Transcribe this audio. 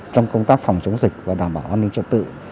trong công tác phòng chống dịch và đảm bảo an ninh trật tự